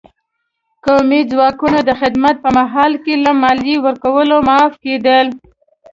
قومي ځواکونه د خدمت په مهال له مالیې ورکولو معاف کېدل.